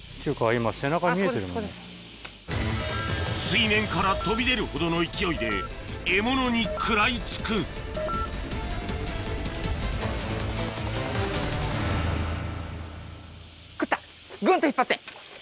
水面から飛び出るほどの勢いで獲物に食らい付くグッと引っ張って！